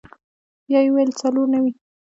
بيا يې وويل څلور نوي.